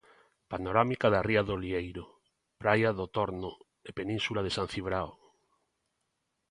Panorámica da ría do Lieiro, praia do Torno e península de San Cibrao.